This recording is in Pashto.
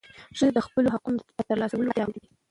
ښځې د خپلو حقوقو په ترلاسه کولو کې پاتې راغلې دي.